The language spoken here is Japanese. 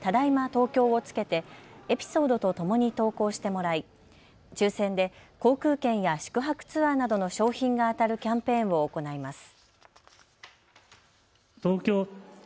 東京をつけてエピソードとともに投稿してもらい抽せんで航空券や宿泊ツアーなどの賞品が当たるキャンペーンを行います。